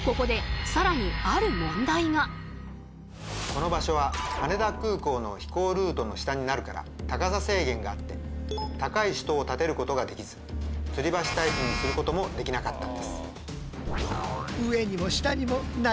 この場所は羽田空港の飛行ルートの下になるから高さ制限があって高い主塔を建てることができず吊り橋タイプにすることもできなかったんです。